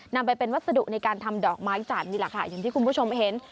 นำไปเป็นวัสดุในการทำดอกไม้จันทร์นี่แหละค่ะอย่างที่คุณผู้ชมเห็น